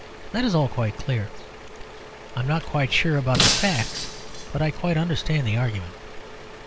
That is all quite clear. I am not quite sure about the facts, but I quite understand the argument.